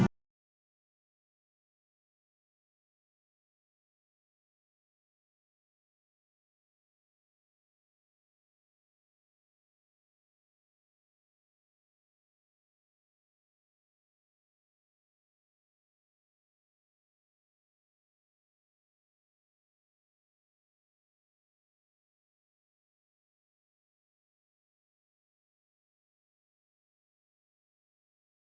ที่นั่นแห่งพ่อก็ไม่มีท่าน